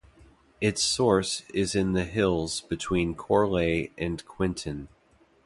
Its source is in the hills between Corlay and Quintin.